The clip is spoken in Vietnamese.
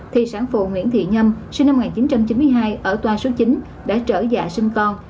thì sản phụ nguyễn thị nhâm sinh năm một nghìn chín trăm chín mươi hai ở toa số chín đã trở dạng sinh con